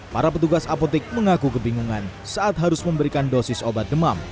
para petugas apotik mengaku kebingungan saat harus memberikan dosis obat demam